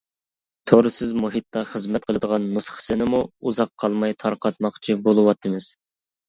تورسىز مۇھىتتا خىزمەت قىلىدىغان نۇسخىسىنىمۇ ئۇزاق قالماي تارقاتماقچى بولۇۋاتىمىز.